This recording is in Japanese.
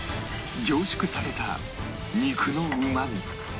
凝縮された肉のうまみ